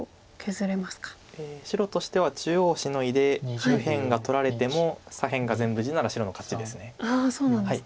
白としては中央シノいで右辺が取られても左辺が全部地なら白の勝ちです。